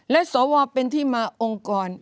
และสวเป็นที่มาองค์กร